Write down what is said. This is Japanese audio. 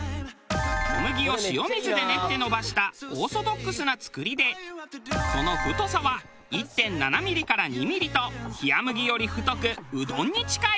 小麦を塩水で練って延ばしたオーソドックスな作りでその太さは１．７ミリから２ミリと冷麦より太くうどんに近い。